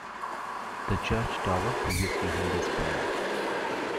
The church tower previously held a spire.